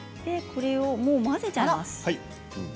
これをもう混ぜちゃいます。